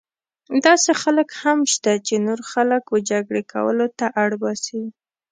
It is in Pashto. داسې خلک هم شته چې نور خلک وه جګړې کولو ته اړ باسي.